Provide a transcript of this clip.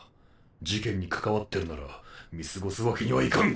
事件に関わってるなら見過ごすわけにはいかん！